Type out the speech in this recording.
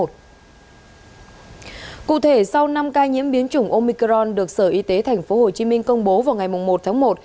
nhiễm biến chủng omicron được sở y tế thành phố hồ chí minh công bố vào ngày một tháng một